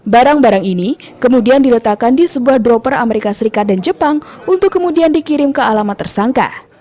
barang barang ini kemudian diletakkan di sebuah dropper amerika serikat dan jepang untuk kemudian dikirim ke alamat tersangka